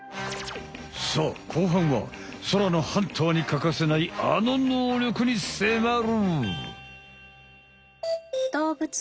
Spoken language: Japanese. さあ後半は空のハンターに欠かせないあの能力にせまる！